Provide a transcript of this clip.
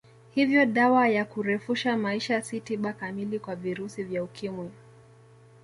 Hivyo dawa za kurefusha maisha si tiba kamili kwa virusi vya Ukimwi